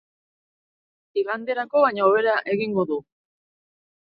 Iganderako, baina, hobera egingo du.